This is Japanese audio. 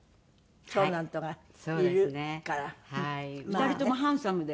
２人ともハンサムで。